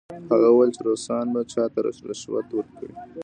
هغه وویل چې روسان به چا ته رشوت ورکړي؟